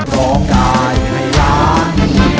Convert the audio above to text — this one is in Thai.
ร้องได้ให้ล้าน